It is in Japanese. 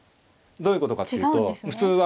どういうことかっていうと普通は。